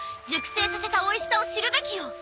熟成させたおいしさを知るべきよ！